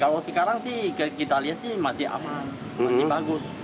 kalau sekarang sih kita lihat sih masih aman